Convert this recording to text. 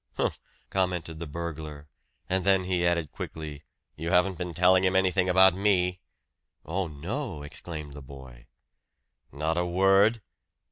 "Humph!" commented the burglar; and then he added quickly, "You haven't been telling him anything about me?" "Oh, no!" exclaimed the boy. "Not a word?"